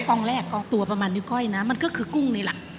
กองแรกกองตัวประมาณนิ้วก้อยนะมันก็คือกุ้งนี่แหละ